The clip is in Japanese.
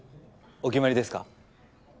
お決まりですか？